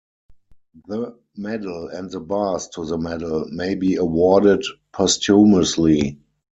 The medal and the Bars to the medal may be awarded posthumously.